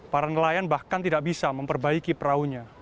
para nelayan bahkan tidak bisa memperbaiki perahunya